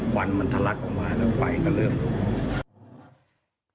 วันมันทะลักออกมาแล้วไฟก็เริ่มลง